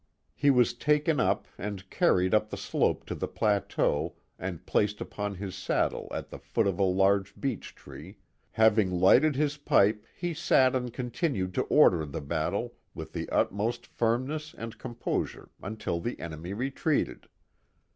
He was taken up and carried up the slope to the plateau and placed upon his saddle at the foot of a large beech tree, where, having lighted his pipe he sat and continued to order the batlle with the utmost firmness and composure until the enemy retreated.